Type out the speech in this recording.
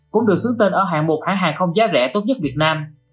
cũng được xứng tên ở hạng một hãng hàng không giá rẻ tốt nhất việt nam